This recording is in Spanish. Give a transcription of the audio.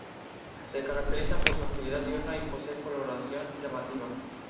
Se caracterizan por su actividad diurna y poseer coloración llamativa.